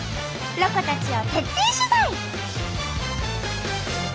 ロコたちを徹底取材！